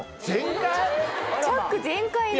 チャック全開で。